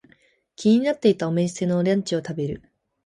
気になっていたお店のランチを食べる。